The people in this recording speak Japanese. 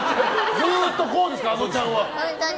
ずっとこうですからあのちゃんは。